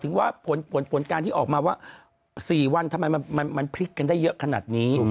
ว่าผลการที่ออกมาว่า๔วันทำไมมันพลิกกันได้เยอะขนาดนี้